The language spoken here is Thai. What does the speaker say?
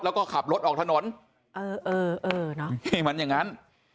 แล้วก็ขับรถออกถนนเออใช่มันอย่างนั้น